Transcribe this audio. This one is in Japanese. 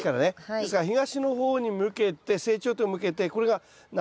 ですから東の方に向けて成長点を向けてこれが斜め４５度。